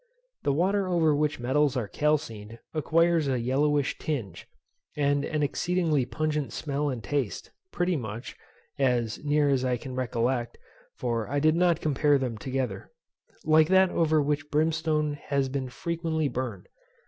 The water over which metals are calcined acquires a yellowish tinge, and an exceedingly pungent smell and taste, pretty much (as near as I can recollect, for I did not compare them together) like that over which brimstone has been frequently burned.